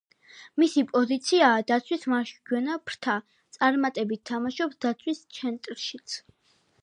მისი პოზიციაა დაცვის მარჯვენა ფრთა, წარმატებით თამაშობს დაცვის ცენტრშიც.